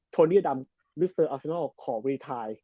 โทนียดัมวิสเตอร์อาซินัลขอรีทาย